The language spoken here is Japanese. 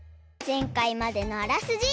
ぜんかいまでのあらすじ。